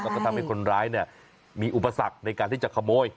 แล้วก็ทำให้คนร้ายมีอุปสรรคในการที่จะขโมย